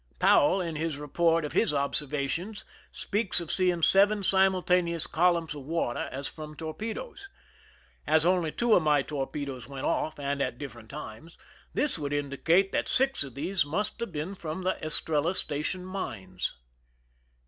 Powell in his report of his observations speaks of seeing seven simulta neous columns of water as from torpedoes. As only two of my tor pedoes went off, and at different times, this would indicate that six of these must have been from the Estrella station mines.